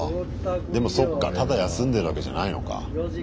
でもそっかただ休んでるわけじゃないのか。